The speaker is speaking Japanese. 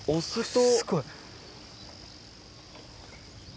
すごい。